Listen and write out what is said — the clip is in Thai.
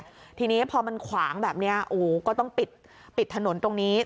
ทีนี้พอมันขวางแบบนี้โอ้ก็ต้องปิดปิดถนนตรงนี้